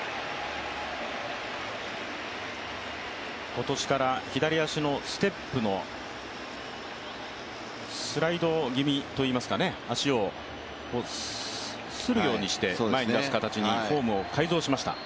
今年から左足のステップの、スライド気味といいますかね、足をするようにして前に出す形にフォームを改造しました。